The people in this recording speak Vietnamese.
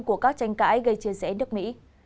của các tranh cãi gây chia sẻ nước mỹ